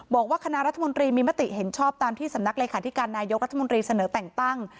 บอกว่าคณะรัฐมนตรีมีมติเห็นชอบตามที่สำนักเลขาธิการนายกรัฐมนตรีเสนอแต่งตั้ง